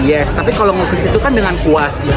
yes tapi kalau ngukis itu kan dengan kuas